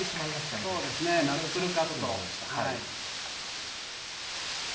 そうですね、ナックルカット。